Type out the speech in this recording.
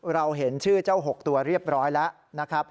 เราเห็นชื่อเจ้า๖ตัวเรียบร้อยแล้วนะครับ